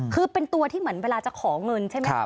คือเป็นตัวที่เหมือนเวลาจะขอเงินใช่ไหมครับ